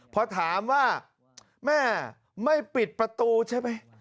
พอถามว่าแม่ไม่ปิดประตูใช่ไหม